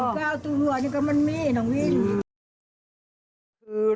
คือเรื่อง